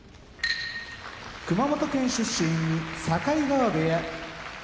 熊本県出身境川部屋